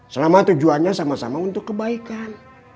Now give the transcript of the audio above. selama tujuannya sama sama untuk kebaikan